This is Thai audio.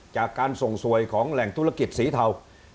จากการส่งสวยของแหล่งธุรกิจสีเทา